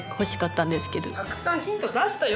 たくさんヒント出したよ